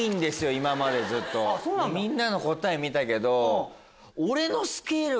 みんなの答え見たけど。